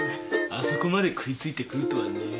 あそこまで食いついてくるとはな。